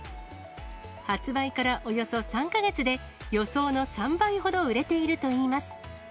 発売からおよそ３か月で、予想の３倍ほど売れているといいます。